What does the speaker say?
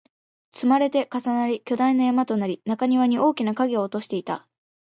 積まれて、重なり、巨大な山となり、中庭に大きな影を落としていた